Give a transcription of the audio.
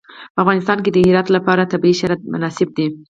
په افغانستان کې د هرات لپاره طبیعي شرایط مناسب دي.